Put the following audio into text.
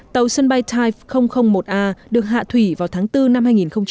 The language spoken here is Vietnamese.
tàu sân bay type một a được hạ thủy vào tháng bốn năm hai nghìn một mươi bảy